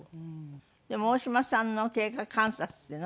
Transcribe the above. でも大島さんの経過観察っていうの？